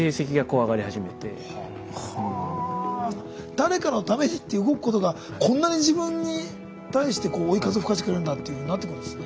誰かのためにって動くことがこんなに自分に対して追い風吹かしてくれるんだっていうふうになってくるんですね。